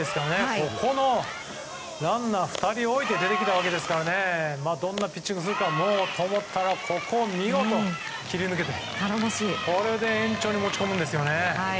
ここのランナー２人置いて出てきたわけですからどんなピッチングするかと思ったら見事、切り抜けてこれで延長に持ち込むんですね。